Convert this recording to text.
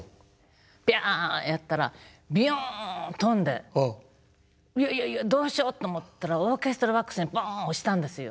ビャンやったらビヨン飛んでいやいやいやどうしようって思ったらオーケストラボックスにボン落ちたんですよ。